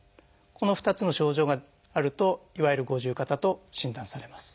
この２つの症状があるといわゆる「五十肩」と診断されます。